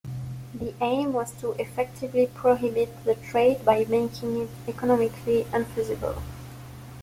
The aim was to effectively prohibit the trade by making it economically unfeasible.